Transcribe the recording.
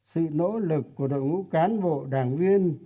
sự nỗ lực của đội ngũ cán bộ đảng viên